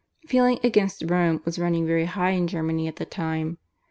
Feeling against Rome was running very high in Germany at the time.